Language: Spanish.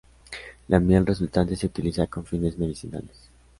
La miel resultante se utiliza con fines medicinales.